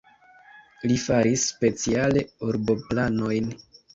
Li faris speciale urboplanojn.